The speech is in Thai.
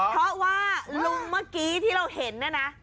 เพราะว่าลุงเมื่อกี้ที่เราเห็นเนี่ยนะ